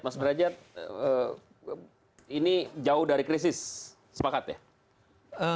mas derajat ini jauh dari krisis sepakat ya